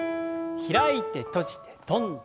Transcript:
開いて閉じて跳んで。